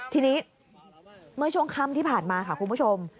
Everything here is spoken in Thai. ทีนี้เมื่อช่วงค่ำที่ผ่านมาค่ะคุณผู้ชม